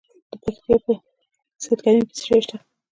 د پکتیا په سید کرم کې څه شی شته؟